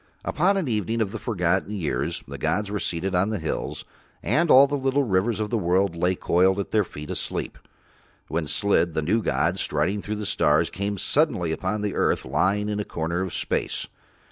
Upon an evening of the forgotten years the gods were seated on the hills, and all the little rivers of the world lay coiled at Their feet asleep, when Slid, the new god, striding through the stars, came suddenly upon earth lying in a corner of space.